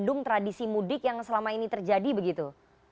kandung tradisi mudik yang selama ini terjadi begitu